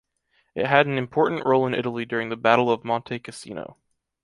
It had an important role in Italy during the Battle of Monte Cassino.